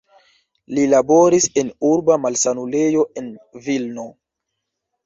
Li laboris en urba malsanulejo en Vilno.